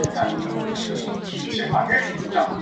因此建立对照用实验组并进行对照检验极其重要。